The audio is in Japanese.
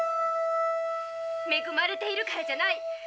めぐまれているからじゃない。